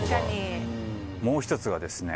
もう一つはですね